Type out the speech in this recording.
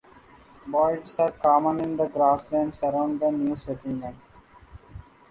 Boids are common in the grasslands around the new settlement.